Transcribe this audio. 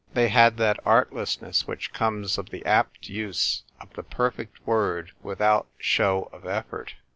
They had that artlessness which comes of the apt use of the perfect word without show of effort.